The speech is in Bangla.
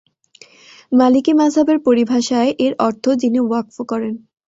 মালিকি মাযহাবের পরিভষায় এর অর্থ যিনি ওয়াকফ করেন।